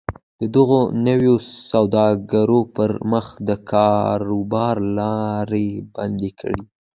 د دغو نویو سوداګرو پر مخ د کاروبار لارې بندې کړي